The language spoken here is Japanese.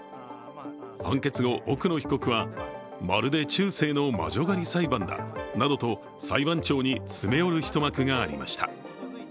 判決後、奥野被告はまるで中世の魔女狩り裁判だなどと裁判長に詰め寄る一幕がありました。